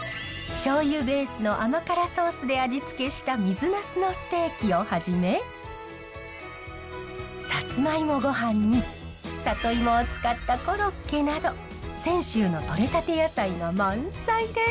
しょうゆベースの甘辛ソースで味付けした水なすのステーキをはじめさつまいもごはんに里芋を使ったコロッケなど泉州のとれたて野菜が満載です！